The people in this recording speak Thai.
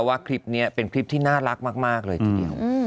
ว่าคลิปนี้เป็นคลิปที่น่ารักมากเลยทีเดียว